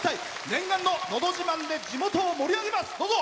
念願の「のど自慢」で地元を盛り上げますどうぞ！